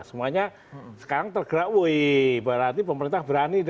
semuanya sekarang tergerak weh berarti pemerintah berani